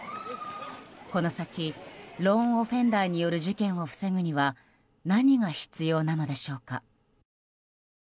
この先ローン・オフェンダーによる事件を防ぐには何が必要なのでしょうか。